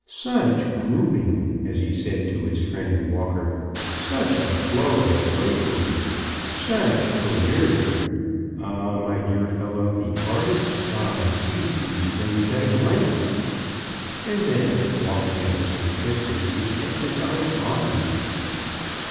"Such grouping!" as he said to his friend Walker. "Such a flow of drapery! such tournure! Ah, my dear fellow, the artist's eye sees these things at a glance." And then, walking at a safe distance, he kept his eyes on them.